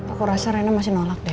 aku rasa rena masih nolak deh